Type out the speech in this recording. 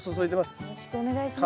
よろしくお願いします。